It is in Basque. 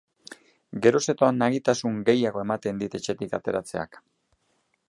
Geroz eta nagitasun gehiago ematen dit etxetik ateratzeak.